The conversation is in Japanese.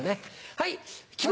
はい。